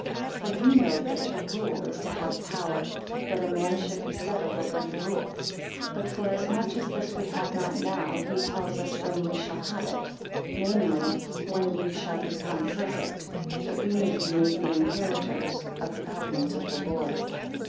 For you know that to rule, is to have power; that a man should be set over what he rules. 24 But forasmuch as this we have not now, he tells us when we shall have it; namely, when we shall become perfect, that we may be made the inheritors of the covenant of the Lord.